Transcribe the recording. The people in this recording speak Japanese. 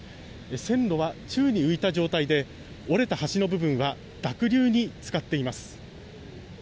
線路は宙に浮いた状態で折れた橋の部分は濁流につかっています。